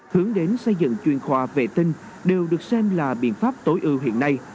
hướng đến xây dựng chuyên khoa vệ tinh đều được xem là biện pháp tối ưu hiện nay